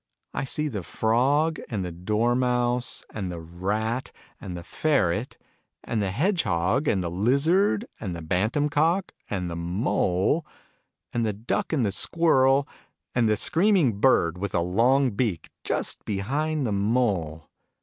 I see the Frog, and the Dormouse, and the Rat and the Ferret, and the Hedgehog, and the Lizard, and the Bantam Cock, and the Mole, and the Duck, and the Squirrel, and a screaming bird, with a long beak, just behind the Mole.